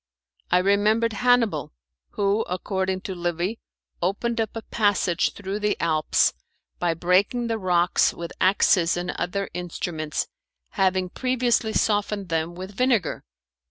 I remembered Hannibal, who, according to Livy, opened up a passage through the Alps by breaking the rocks with axes and other instruments, having previously softened them with vinegar.